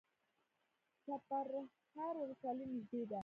چپرهار ولسوالۍ نږدې ده؟